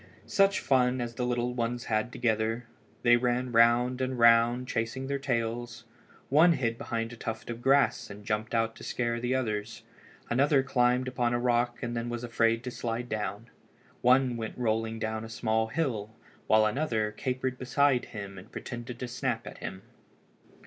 Such fun as the five little ones had together! They ran round and round, chasing their tails. One hid behind a tuft of grass and jumped out to scare the others. Another climbed upon a rock and then was afraid to slide down. One went rolling down a small hill while another capered beside him and pretended to snap at him.